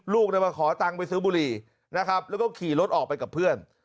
ลูกมาขอตังค์ไปซื้อบุหรี่นะครับแล้วก็ขี่รถออกไปกับเพื่อน